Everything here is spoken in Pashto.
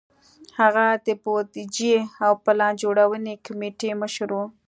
هغه د بودیجې او پلان جوړونې کمېټې مشر و.